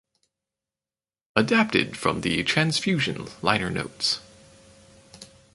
Adapted from the "Transfusion" liner notes.